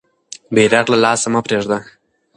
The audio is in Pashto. بیرغ له لاسه مه پرېږده.